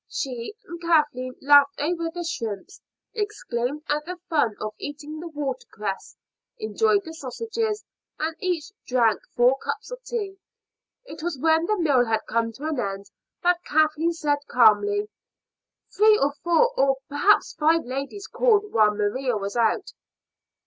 She and Kathleen laughed over the shrimps, exclaimed at the fun of eating the water cress, enjoyed the sausages, and each drank four cups of tea. It was when the meal had come to an end that Kathleen said calmly: "Three or four, or perhaps five, ladies called while Maria was out."